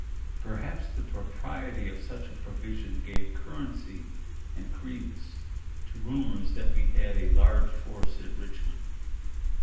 Perhaps the propriety of such provision gave currency and credence to rumors that we had a large force at Richmond.